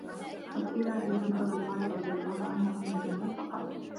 وَسُئِلَ عَلِيُّ بْنُ أَبِي طَالِبٍ رَضِيَ اللَّهُ عَنْهُ عَنْ الدُّنْيَا فَقَالَ